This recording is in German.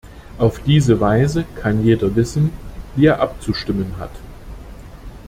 Auf diese Weise kann jeder wissen, wie er abzustimmen hat.